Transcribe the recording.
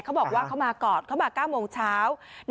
เขาบอกว่าเขามาก่อนเขามา๙โมงเช้า